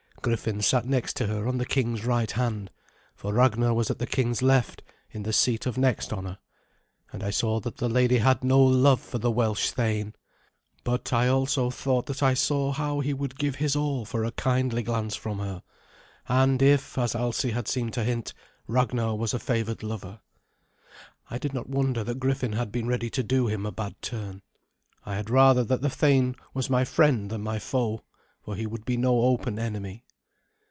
Griffin sat next to her on the king's right hand, for Ragnar was at the king's left, in the seat of next honour; and I saw that the lady had no love for the Welsh thane. But I also thought that I saw how he would give his all for a kindly glance from her; and if, as Alsi had seemed to hint, Ragnar was a favoured lover, I did not wonder that Griffin had been ready to do him a bad turn. I had rather that the thane was my friend than my foe, for he would be no open enemy.